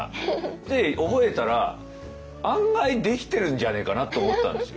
で覚えたら案外できてるんじゃねえかなと思ったんですよ。